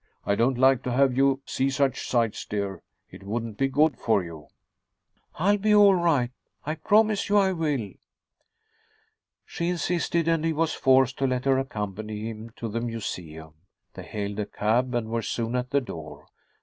"I don't like to have you see such sights, dear. It wouldn't be good for you." "I'll be all right. I promise you I will." She insisted and he was forced to let her accompany him to the museum. They hailed a cab and were soon at the door.